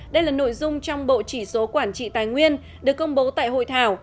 đây là nội dung trong bộ chỉ số quản trị tài nguyên được công bố tại hội thảo